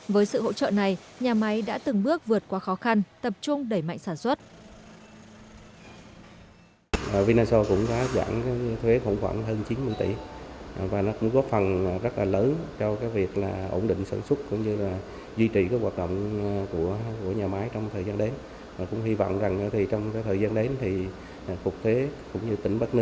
với sự hỗ trợ này nhà máy đã từng bước vượt qua khó khăn tập trung đẩy mạnh sản xuất